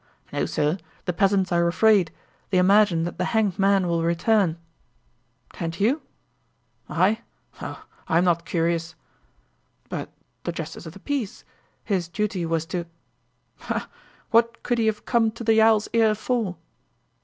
"No, sir. The peasants are afraid. They imagine that the hanged man will return." "And you?" "I oh, I'm not curious." "But the justice of the peace? His duty was to " "Ha! What could he have come to the Owl's Ear for?"